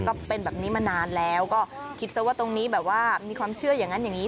ก็เป็นแบบนี้มานานแล้วก็คิดซะว่าตรงนี้แบบว่ามีความเชื่ออย่างนั้นอย่างนี้